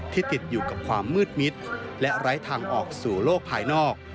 ติดอยู่กับความมืดมิดและไร้ทางออกสู่โลกภายนอก